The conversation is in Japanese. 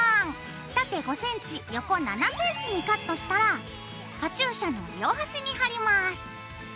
縦５ｃｍ横７ｃｍにカットしたらカチューシャの両端に貼ります。